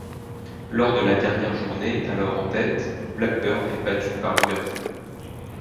Lors de la dernière journée, alors en tête, Blackburn est battu par Liverpool.